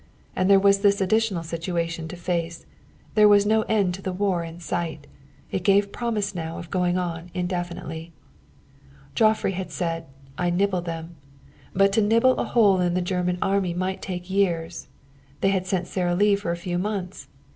And there was this additional situation to face: there was no end of the war in sight; it gave promise now of going on indefinitely. Joifre had said, "I nibble them." But to nibble a hole in the Germany Army might take years. They had sent Sara Lee for a few months.